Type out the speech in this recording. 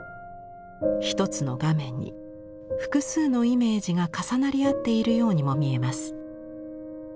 一つの画面に複数のイメージが重なり合っているようにも見えます。